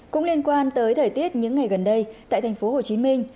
cũng liên quan tới thời tiết những ngày gần đây tại thành phố hồ chí minh